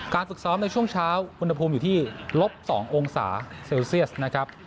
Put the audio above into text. ฝึกซ้อมในช่วงเช้าอุณหภูมิอยู่ที่ลบ๒องศาเซลเซียสนะครับ